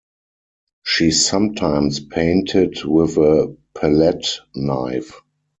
She sometimes painted with a palette knife.